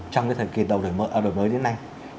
trong cái thời kỳ đầu đổi mới đến nay